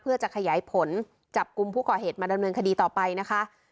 เพื่อจะขยายผลจับกลุ่มผู้ก่อเหตุมาดำเนินคดีต่อไปนะคะ